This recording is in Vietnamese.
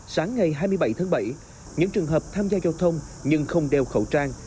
sáng ngày hai mươi bảy tháng bảy những trường hợp tham gia giao thông nhưng không đeo khẩu trang